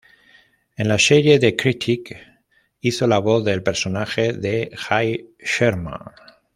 En la serie "The Critic", hizo la voz del personaje de Jay Sherman.